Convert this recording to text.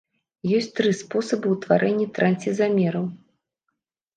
Ёсць тры спосабы ўтварэння трансізамераў.